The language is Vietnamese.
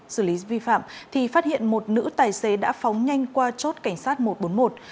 xử lý vi phạm thì phát hiện một nữ tài xế đã phóng nhanh qua chốt cảnh sát một trăm bốn mươi một